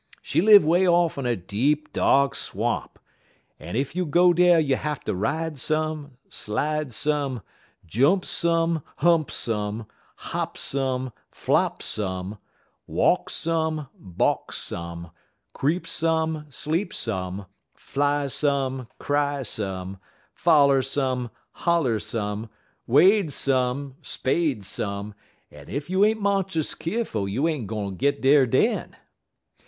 She live way off in a deep, dark swamp, en ef you go dar you hatter ride some, slide some; jump some, hump some; hop some, flop some; walk some, balk some; creep some, sleep some; fly some, cry some; foller some, holler some; wade some, spade some; en ef you ain't monst'us keerful you ain't git dar den.